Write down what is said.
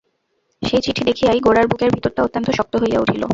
সেই চিঠি দেখিয়াই গোরার বুকের ভিতরটা অত্যন্ত শক্ত হইয়া উঠিল।